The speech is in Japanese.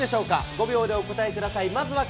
５秒でお答えください。